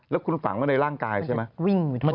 แล้วคุณฝังไว้ในร่างกายใช่ไหม